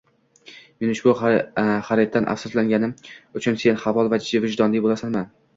Men ushbu xariddan afsuslanmasligim uchun sen halol va vijdonli boʻlasanmi?